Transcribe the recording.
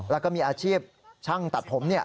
แล้วก็มีอาชีพช่างตัดผม